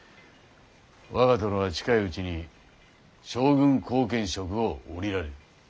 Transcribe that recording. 我が殿は近いうちに将軍後見職を降りられる。